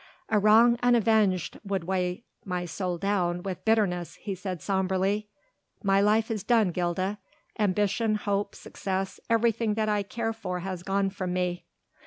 "A wrong unavenged would weigh my soul down with bitterness," he said sombrely. "My life is done, Gilda. Ambition, hope, success, everything that I care for has gone from me.